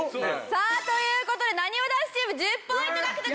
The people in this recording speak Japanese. さあという事でなにわ男子チーム１０ポイント獲得！